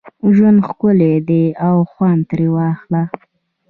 ژوند ښکلی دی او خوند ترې واخله